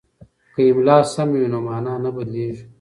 که املا سمه وي نو مانا نه بدلیږي.